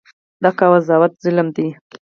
دا قضاوت ظلم دی.